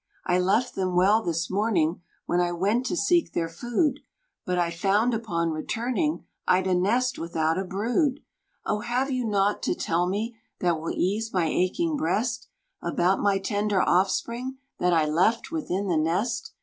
"I left them well this morning, When I went to seek their food; But I found, upon returning, I'd a nest without a brood. "O have you nought to tell me, That will ease my aching breast, About my tender offspring That I left within the nest?